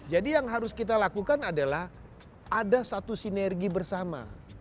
jadi yang harus kita lakukan adalah ada satu sinergi bersama